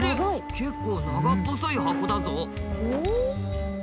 結構長っぽそい箱だぞ。